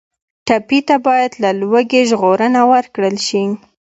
ټپي ته باید له لوږې ژغورنه ورکړل شي.